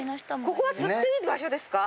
ここは釣っていい場所ですか？